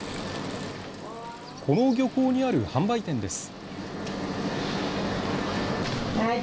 この漁港にある販売店です。